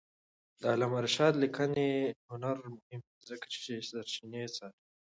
د علامه رشاد لیکنی هنر مهم دی ځکه چې سرچینې څاري.